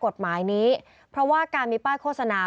กฎหมายนี้เพราะว่าการมีป้ายโฆษณา